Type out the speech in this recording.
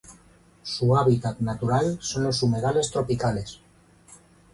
Su hábitat natural son los humedales tropicales.